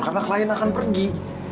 karena klien akan pergi